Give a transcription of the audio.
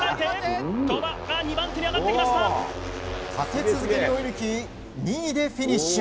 立て続けに追い抜き２位でフィニッシュ。